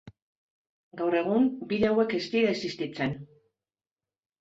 Gaur egun, bide hauek ez dira existitzen.